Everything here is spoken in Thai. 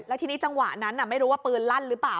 แล้วทีนี้จังหวะนั้นไม่รู้ว่าปืนลั่นหรือเปล่า